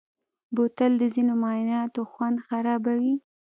بوتل د ځینو مایعاتو خوند خرابوي.